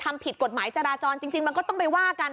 ทำผิดกฎหมายจราจรจริงมันก็ต้องไปว่ากัน